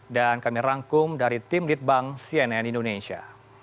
dan kami rangkum dari tim lidbang cnn indonesia